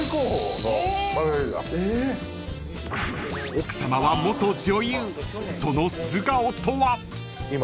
［奥さまは元女優その素顔とは？］